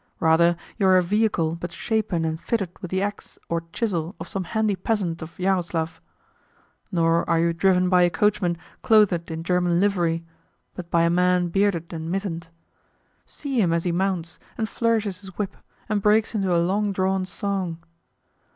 Rather, you are a vehicle but shapen and fitted with the axe or chisel of some handy peasant of Yaroslav. Nor are you driven by a coachman clothed in German livery, but by a man bearded and mittened. See him as he mounts, and flourishes his whip, and breaks into a long drawn song!